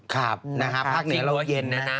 ครับนะฮะภาคเหนือเราก็เย็นนะฮะ